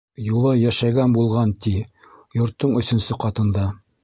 Юлай йәшәгән булған, ти, йорттоң өсөнсө ҡатында.